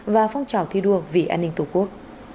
và phong trào thi đua vì an ninh tổ quốc